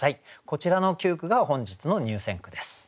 こちらの９句が本日の入選句です。